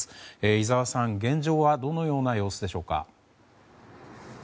井澤さん、現状はどのような様子でしょうか。